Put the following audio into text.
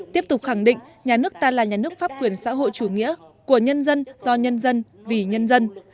tiếp tục khẳng định nhà nước ta là nhà nước pháp quyền xã hội chủ nghĩa của nhân dân do nhân dân vì nhân dân